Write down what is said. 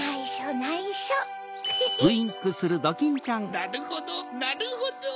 なるほどなるほど！